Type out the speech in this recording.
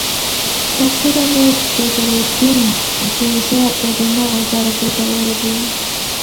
ډاکټره مي بدرالدین روژه د دماغ لپاره ګټوره بولي.